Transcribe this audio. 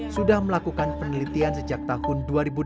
sudah melakukan penelitian sejak tahun dua ribu delapan belas